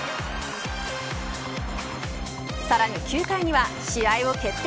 さらに９回には試合を決定